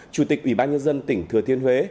chủ tịch ủy ban nhân dân tỉnh thừa thiên huế